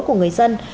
của người dân